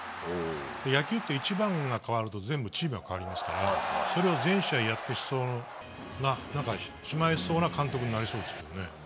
野球って１番が変わると全部チームが変わりますからそれを全試合やってしまいそうな監督になりそうですね。